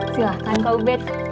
silahkan kak ubed